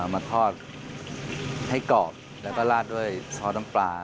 มาทอดให้กรอบแล้วก็ลาดด้วยทอดน้ำปลา